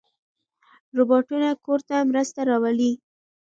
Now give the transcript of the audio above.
روباټونه کور ته مرسته راوړي.